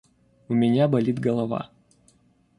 У меня болит голова.